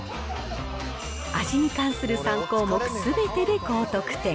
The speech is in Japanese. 味に関する３項目すべてで高得点。